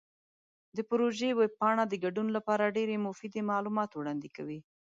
د پروژې ویب پاڼه د ګډون لپاره ډیرې مفیدې معلومات وړاندې کوي.